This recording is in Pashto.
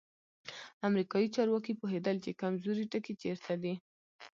امریکایي چارواکي پوهېدل چې کمزوری ټکی چیرته دی.